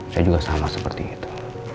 saya juga sama seperti itu